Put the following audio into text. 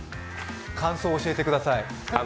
感想を教えてください。